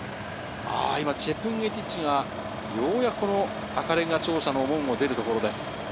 チェプンゲティッチがようやく赤れんが庁舎の門を出るところです。